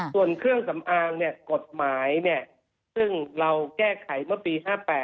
ส่วนเครื่องสำอางกฎหมายซึ่งเราแก้ไขเมื่อปี๕๘